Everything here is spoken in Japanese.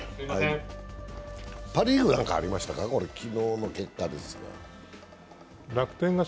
パ・リーグは何かありましたか、これは昨日の結果ですが。